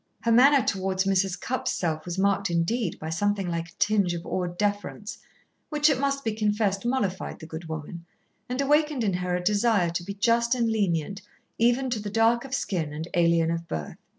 Her manner towards Mrs. Cupp's self was marked indeed by something like a tinge of awed deference, which, it must be confessed, mollified the good woman, and awakened in her a desire to be just and lenient even to the dark of skin and alien of birth.